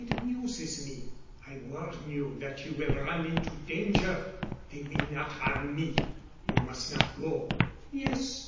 "It amuses me." "I warn you that you will run into danger." "They will not harm me." "You must not go." "Yes.